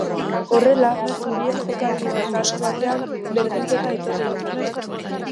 Horrela, zurien jokaldi bakartu batean berdinketa etorri da.